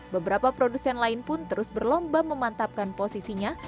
beberapa produsen lain pun terus berlomba memantapkan posisinya